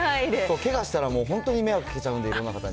けがしたら、本当に迷惑かけちゃうんで、いろんな方に。